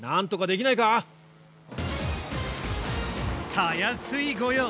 たやすい御用！